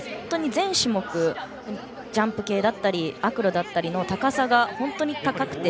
全種目、ジャンプ系だったりアクロだったりの高さが本当に高くて。